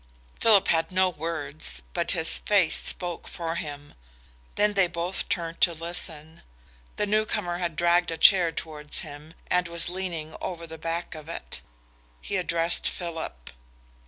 Philip had no words, but his face spoke for him. Then they both turned to listen. The newcomer had dragged a chair towards him and was leaning over the back of it. He addressed Philip.